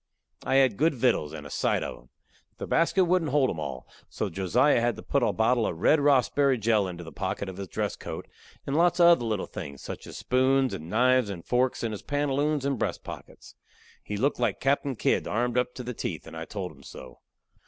I had good vittles, and a sight of 'em. The basket wouldn't hold 'em all, so Josiah had to put a bottle of red rossberry jell into the pocket of his dress coat, and lots of other little things, such as spoons and knives and forks, in his pantaloons and breast pockets. He looked like Captain Kidd armed up to the teeth, and I told him so.